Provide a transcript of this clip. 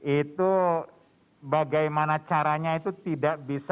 itu bagaimana caranya itu tidak bisa